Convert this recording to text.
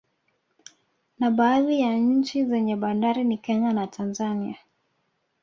Na baadhi ya nchi zenye bandari ni Kenya na Tanzania